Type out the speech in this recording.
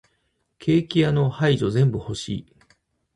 ケーキ屋の廃棄全部欲しい。